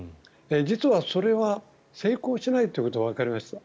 実は、それは成功しないということが分かりました。